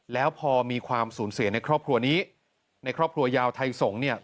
แล้วพอมีความสูญเสียในครอบครัวนี้ในครอบครัวยาวไทยสงศ์เนี่ย